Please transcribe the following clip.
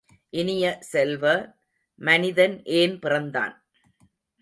இனிய செல்வ, மனிதன் ஏன் பிறந்தான்?